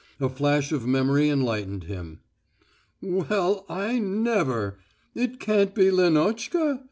A flash of memory enlightened him. "Well, I never!... It can't be Lenotchka?